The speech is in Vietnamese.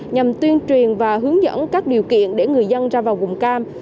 nhằm tuyên truyền và hướng dẫn các điều kiện để người dân ra vào vùng cam